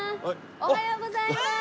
おはようございます！